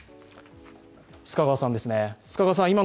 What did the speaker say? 須賀川さんです。